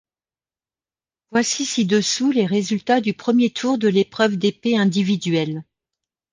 Voici ci-dessous les résultats du premier tour de l'épreuve d'épée individuelle.